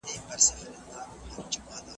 بهرنی سیاست د ملي ثبات او هوساینې لپاره دی.